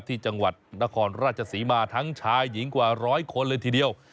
ที่จังหวัดนครราชศรีมาทั้งชายหญิงกว่าร้อยคนเลยทีเดียว